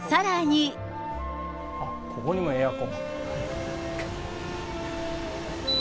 あっ、ここにもエアコン。